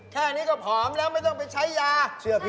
แค่นี้ก็ผอมแล้วไม่ต้องไปใช้ยา